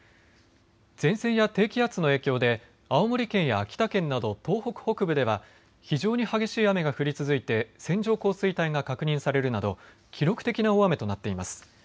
前線や低気圧の影響で青森県や秋田県など東北北部では非常に激しい雨が降り続いて線状降水帯が確認されるなど記録的な大雨となっています。